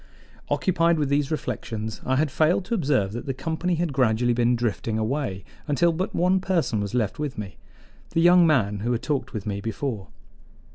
Occupied with these reflections, I had failed to observe that the company had gradually been drifting away until but one person was left with me the young man who had talked with me before.